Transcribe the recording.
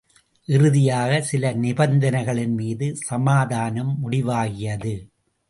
இறுதியாக, சில நிபந்தனைகளின் மீது சமாதானம் முடிவாகியது.